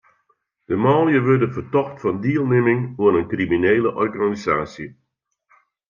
De manlju wurde fertocht fan dielnimming oan in kriminele organisaasje.